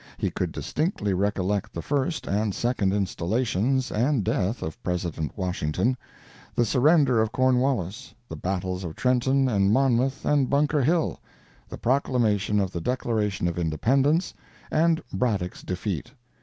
He could distinctly recollect the first and second installations and death of President Washington, the surrender of Cornwallis, the battles of Trenton and Monmouth, and Bunker Hill, the proclamation of the Declaration of Independence, and Braddock's defeat.